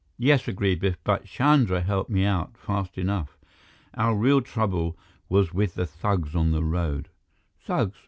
"Yes," agreed Biff, "but Chandra helped me out fast enough. Our real trouble was with the thugs on the road." "Thugs?